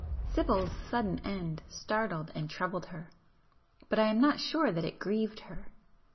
Sibyl's sudden end startled and troubled her,—but I am not sure that it grieved her.